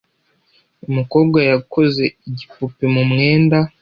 Umukobwa yakoze igipupe mu mwenda.